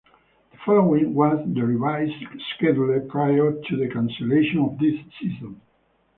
The following was the revised schedule prior to the cancellation of the season.